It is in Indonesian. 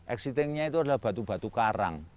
existingnya itu adalah batu batu karang